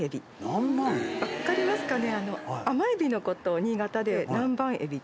分かりますかね？